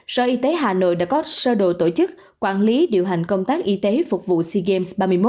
sở y tế hà nội đã có sơ đồ tổ chức quản lý điều hành công tác y tế phục vụ sea games ba mươi một